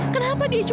tidak ada yang tahu